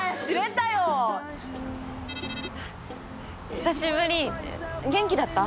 久しぶり元気だった？